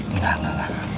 enggak enggak enggak